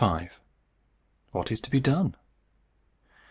V. WHAT IS TO BE DONE?